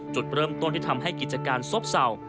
จุดเริ่มต้นที่ทำให้กิจการซบเศร้า